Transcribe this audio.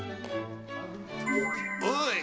おい！